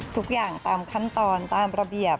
ทุกอย่างตามขั้นตอนตามระเบียบ